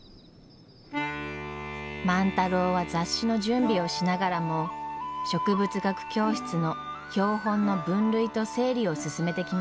万太郎は雑誌の準備をしながらも植物学教室の標本の分類と整理を進めてきました。